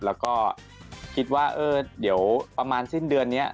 แล้วก็คิดว่าเออเดี๋ยวประมาณสิ้นเดือนนี้